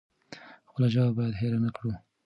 خپله ژبه بايد هېره نکړو.